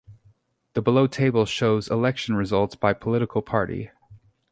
The below table shows election results by political party.